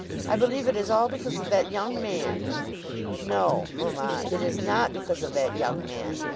I believe it is all because of that young man." "No, mamma; it is not because of that young man.